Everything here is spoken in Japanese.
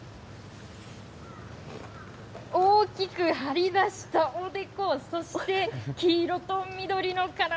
大きく張り出したおでこ、そして黄色と緑の体。